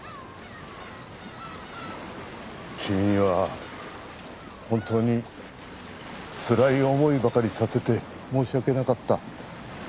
君には本当につらい思いばかりさせて申し訳なかった。